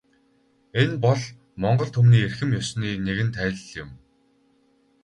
Энэ бол монгол түмний эрхэм ёсны нэгэн тайлал юм.